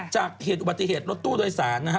จากเหตุบัติเหตุรถตู้โดยสาร